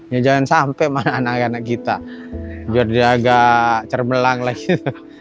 ya jangan sampai mana anak anak kita jadi agak cermelang lah gitu